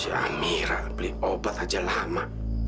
si amirah beli obat aja lama